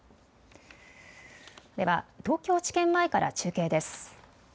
では東京地検前から中継です。